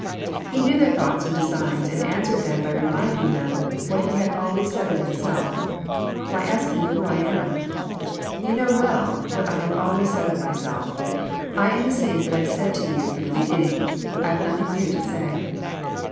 He knew their thoughts and designs, and answered them by reminding them what He had always said of Himself: »* Why ask Me who I am? You know well what I have always said of Myself. I am the same that I said to you from the beginning. I have nothing new to say."